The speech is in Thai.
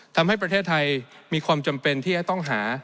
ทำให้ประเทศไทยมีความจำเป็นที่จะต้องหา